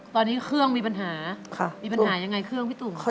ตอนนี้เครื่องมีปัญหามีปัญหายังไงเครื่องพี่ตุ่ม